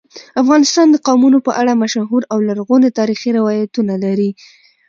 افغانستان د قومونه په اړه مشهور او لرغوني تاریخی روایتونه لري.